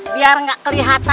biar tidak kelihatan